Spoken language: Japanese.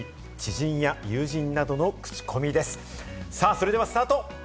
それではスタート！